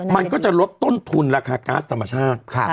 มันก็จะลดต้นทุนราคาก๊าซธรรมชาติ